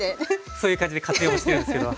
そういう感じで勝手に干してるんですけど。